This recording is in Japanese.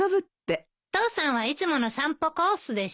父さんはいつもの散歩コースでしょ。